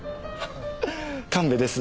神戸です。